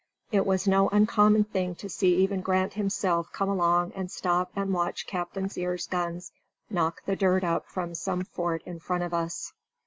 It was no uncommon thing to see even Grant himself come along and stop and watch Captain Sears' guns knock the dirt up from some fort in front of us.